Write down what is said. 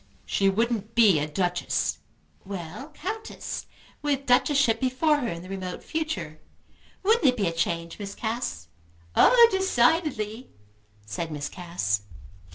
"She wouldn't be a Duchess." "Well, Countess, with Duchessship before her in the remote future. Wouldn't it be a change, Miss Cass?" "Oh decidedly!" said Miss Cass.